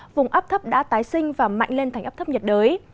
vùng ấp thấp đã tái sinh và mạnh lên thành ấp thấp nhiệt đới